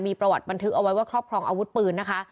มีประวัติบันทึกเอาไว้ว่าครอบครองอาวุธปืนนะคะ